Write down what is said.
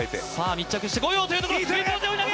密着してこようというところ。